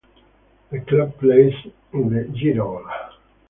The club plays in the Girabola.